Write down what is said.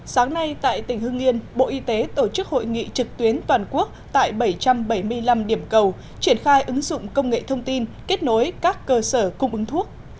sáng nay tại tỉnh hưng yên bộ y tế tổ chức hội nghị trực tuyến toàn quốc tại bảy trăm bảy mươi năm điểm cầu triển khai ứng dụng công nghệ thông tin kết nối các cơ sở cung ứng thuốc